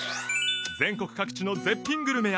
全国各地の絶品グルメや感動